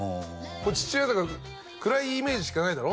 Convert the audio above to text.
これ父親だから暗いイメージしかないだろ？